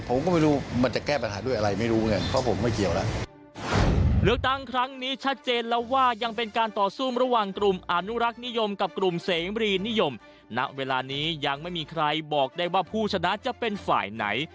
ผมก็ไม่รู้มันจะแก้ปัญหาด้วยอะไรไม่รู้นี่